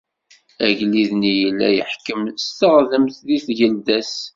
Agellid-nni yella yeḥkem s teɣdemt deg tgelda-s.